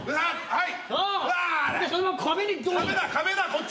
はい。